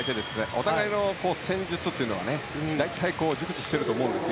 お互いの戦術というのは大体熟知していると思うんです。